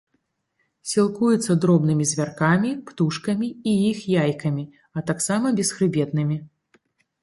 Сілкуецца дробнымі звяркамі, птушкамі і іх яйкамі, а таксама бесхрыбетнымі.